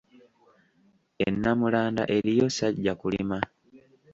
E Nnamulanda eriyo Ssajjakulima